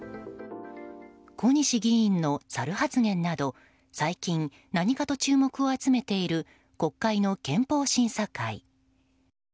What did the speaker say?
小西議員のサル発言など最近、何かと注目を集めている国会の憲法審査会。